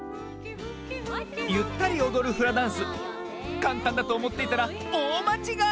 ゆったりおどるフラダンスかんたんだとおもっていたらおおまちがい！